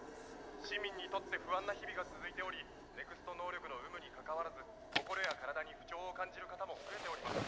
市民にとって不安な日々が続いておりＮＥＸＴ能力の有無にかかわらず心や体に不調を感じる方も増えております。